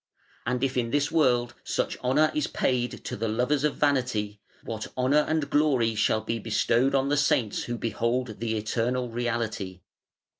And if in this world such honour is paid to the lovers of vanity, what honour and glory shall be bestowed on the Saints who behold the Eternal Reality.'